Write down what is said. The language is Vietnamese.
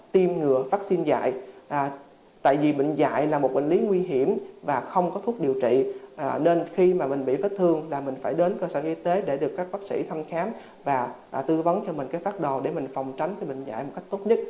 tiêm ngừa vaccine dạy tại vì bệnh dạy là một bệnh lý nguy hiểm và không có thuốc điều trị nên khi mà mình bị vết thương là mình phải đến cơ sở y tế để được các bác sĩ thăm khám và tư vấn cho mình cái phát đồ để mình phòng tránh cái bệnh dạy một cách tốt nhất